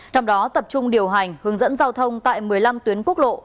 trong đó tập trung điều hành hướng dẫn giao thông tại một mươi năm tuyến quốc lộ